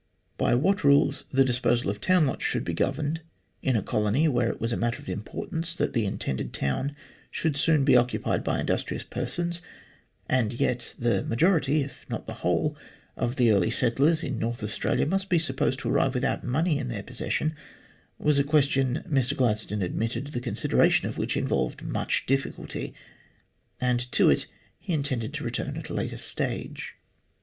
By MR GLADSTONE ENUNCIATES HIS LAND POLICY 31 what rules the disposal of town lots should be governed in a colony where it was a matter of importance that the intended town should soon be occupied by industrious persons and yet the majority, if not the whole, of the early settlers in North Australia must be supposed to arrive without money in their possession was a question, Mr Gladstone admitted, the consideration of which involved much difficulty, and to it he intended to return at a later stage.